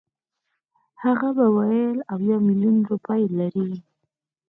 هغه به ویل اویا میلیونه روپۍ لري.